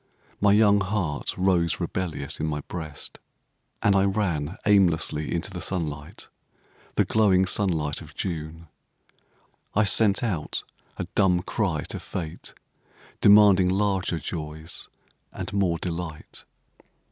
My young heart rose rebellious in my breast; and I ran aimlessly into the sunlight—the glowing sunlight of June. I sent out a dumb cry to Fate, demanding larger joys and more delight.